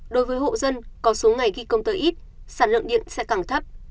đối với hộ dân có số ngày ghi công tơ ít sản lượng điện sẽ càng thấp